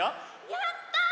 やった！